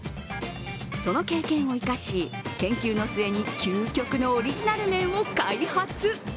その経験を生かし、研究の末に究極のオリジナル麺を開発。